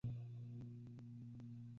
石莼目中的浒苔属与该属相近。